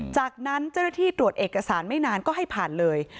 จากนั้นเจ้าหน้าที่ตรวจเอกสารไม่นานก็ให้ผ่านเลย